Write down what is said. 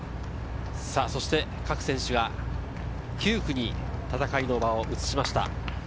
各選手が９区に戦いの場を移しました。